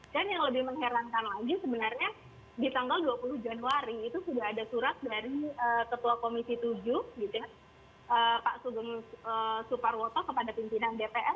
dan yang lebih mengerankan lagi sebenarnya di tanggal dua puluh januari itu sudah ada surat dari ketua komisi tujuh gitu ya pak sugeng suparwoto kepada pimpinan dpr